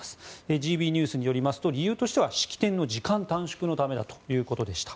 ＧＢニュースによりますと理由としては式典の時間短縮のためだということでした。